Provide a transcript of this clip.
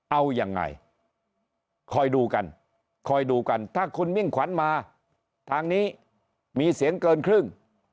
เอายังไงคอยดูกันคอยดูกันถ้าคุณมิ่งขวัญมาทางนี้มีเสียงเกินครึ่ง